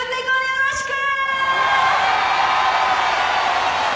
よろしく！